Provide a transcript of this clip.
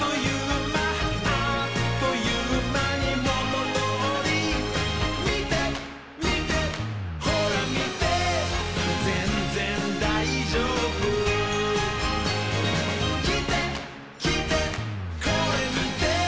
「あっというまにもとどおり」「みてみてほらみて」「ぜんぜんだいじょうぶ」「きてきてこれみて」